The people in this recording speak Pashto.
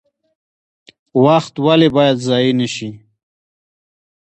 وخت ولې باید ضایع نشي؟